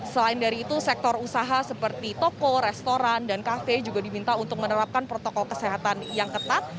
selain dari itu sektor usaha seperti toko restoran dan kafe juga diminta untuk menerapkan protokol kesehatan yang ketat